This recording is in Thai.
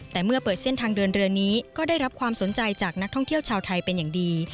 แต่เมื่อเปิดเส้นทางเดินเรือนี้ก็ได้รับความสนใจจากนักท่องเที่ยวชาวไทยเป็นอย่างดี